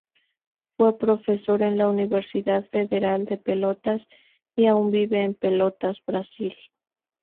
Fue profesor en la Universidad Federal de Pelotas, y aún vive en Pelotas, Brasil.